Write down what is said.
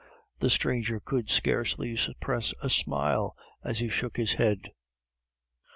The stranger could scarcely suppress a smile as he shook his head.